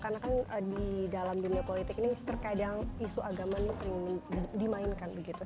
karena kan di dalam dunia politik ini terkadang isu agama ini sering dimainkan begitu